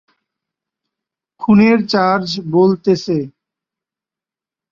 খুনের চার্জ বলতেছে।